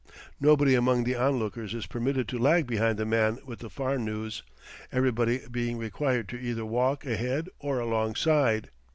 Nobody among the onlookers is permitted to lag behind the man with the farnooze, everybody being required to either walk ahead or alongside.